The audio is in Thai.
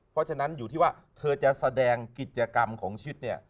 เพราะฉะนั้นอยู่ที่ว่าเธอจะแสดงกิจกรรมของชิดเนี่ย